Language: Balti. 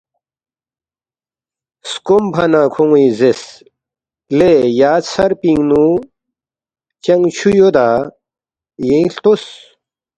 سکومفا نہ کھون٘ی زیرس، ”لے یا ژھر پِنگ نُو چنگ چُھو یودا؟ یینگ ہلتوس